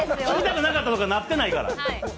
聞きたくなかったとかなってないから。